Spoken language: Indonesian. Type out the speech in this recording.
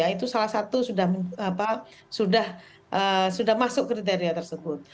itu salah satu sudah masuk kriteria tersebut